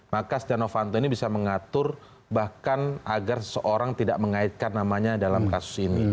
maka setia novanto ini bisa mengatur bahkan agar seseorang tidak mengaitkan namanya dalam kasus ini